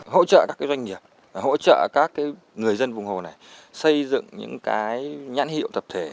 hỗ trợ các doanh nghiệp hỗ trợ các người dân vùng hồ này xây dựng những nhãn hiệu tập thể